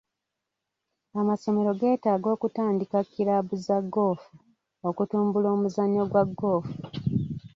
Amasomero geetaaga okutandika kiraabu za ggoofu okutumbula omuzannyo gwa ggoofu.